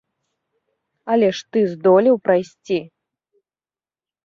Але ж ты здолеў прайсці.